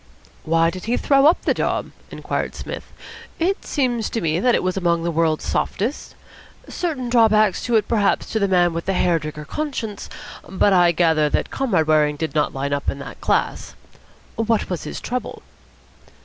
"Why did he throw up the job?" inquired Psmith. "It seems to me that it was among the World's Softest. Certain drawbacks to it, perhaps, to the man with the Hair Trigger Conscience; but I gather that Comrade Waring did not line up in that class. What was his trouble?"